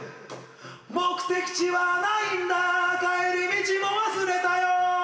目的地はないんだ帰り道も忘れたよ